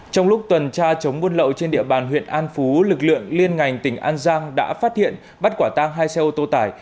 trong lúc tuần tra chống buôn lậu trên địa bàn huyện an phú lực lượng liên ngành tỉnh an giang đã phát hiện bắt quả tang hai xe ô tô tải